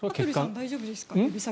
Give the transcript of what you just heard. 大丈夫ですか？